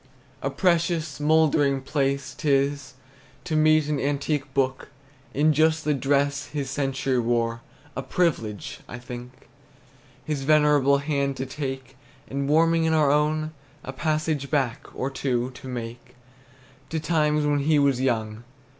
A precious, mouldering pleasure 't is To meet an antique book, In just the dress his century wore; A privilege, I think, His venerable hand to take, And warming in our own, A passage back, or two, to make To times when he was young.